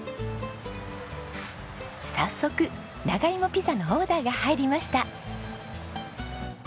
早速長芋ピザのオーダーが入りました。